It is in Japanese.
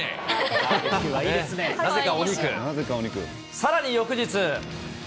さらに翌日。